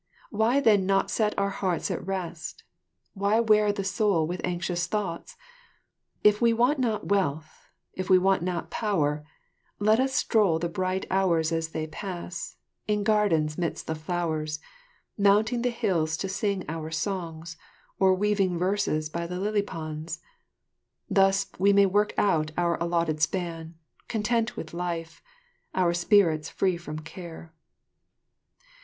Why then not set our hearts at rest, why wear the soul with anxious thoughts? If we want not wealth, if we want not power, let us stroll the bright hours as they pass, in gardens midst the flowers, mounting the hills to sing our songs, or weaving verses by the lily ponds. Thus may we work out our allotted span, content with life, our spirits free from care."